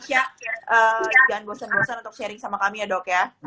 jangan bosan bosan untuk sharing sama kami ya dok ya